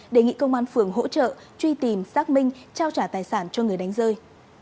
đề nghị công an phường hỗ trợ truy tìm xác minh trao trả tài sản cho người đánh rơi